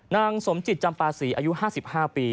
นางสมจิตจำปาศรีอายุ๕๕ปี